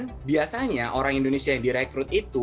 dan biasanya orang indonesia yang direkrut itu